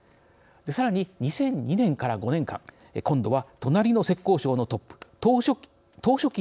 さらに２００２年から５年間今度は隣の浙江省のトップ党書記に異動します。